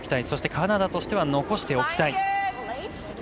そしてカナダとしては残しておきたい。